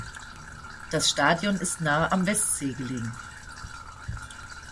Das Stadion ist nahe am Westsee gelegen.